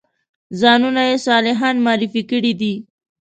ځانونه یې صالحان معرفي کړي دي.